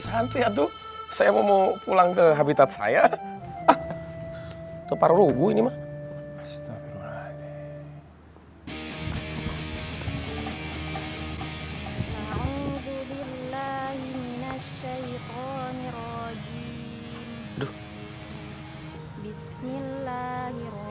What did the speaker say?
santri itu saya mau pulang ke habitat saya tuh paru rugu ini mah astagfirullah